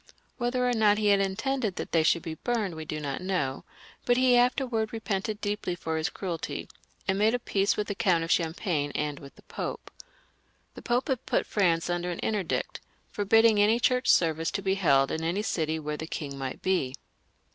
Whether or not he had in tended that they should be burned we do not know, but he afterwards repented deeply of his cruelty, and made a peace 84 LOUIS VIL {LE JEUNE), [CH. with the Count of Champagne and with the Pope. The Pope had put France under an interdict, forbidding any church service to beheld in any city where the king might be.